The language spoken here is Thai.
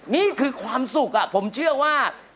นี่คือความสุขผมเชื่อว่า